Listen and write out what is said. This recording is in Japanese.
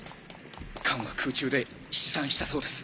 艦は空中で四散したそうです。